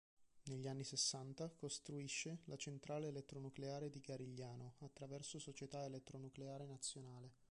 Negli anni sessanta costruisce la Centrale Elettronucleare di Garigliano attraverso Società Elettronucleare Nazionale.